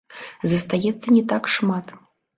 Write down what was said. Застаецца не так шмат.